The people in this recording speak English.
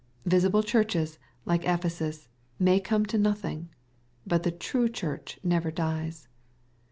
Visible churches, like Ephesus, may come to nothing. But the true Church never dies.